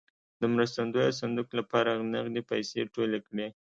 د مرستندویه صندوق لپاره نغدې پیسې ټولې کړې.